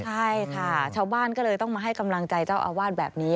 ใช่ค่ะชาวบ้านก็เลยต้องมาให้กำลังใจเจ้าอาวาสแบบนี้